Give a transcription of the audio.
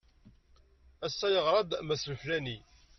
Ass-a, yeɣra-d Mass Leflani.